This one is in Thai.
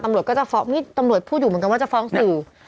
ก็จะฟ้องนี่ตำรวจพูดอยู่เหมือนกันว่าจะฟ้องสื่อ